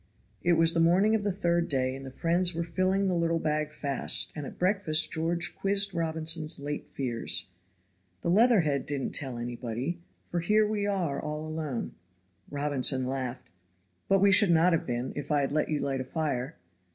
It was the morning of the third day, and the friends were filling the little bag fast; and at breakfast George quizzed Robinson's late fears. "The leather head didn't tell anybody, for here we are all alone." Robinson laughed. "But we should not have been, if I had let you light a fire.